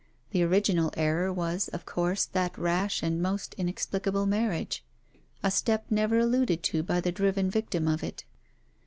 The original error was; of course, that rash and most inexplicable marriage, a step never alluded to by the driven victim of it.